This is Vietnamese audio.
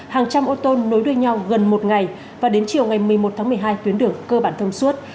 hàng trăm ô tô nối đuôi nhau gần một ngày và đến chiều ngày một mươi một tháng một mươi hai tuyến đường cơ bản thông suốt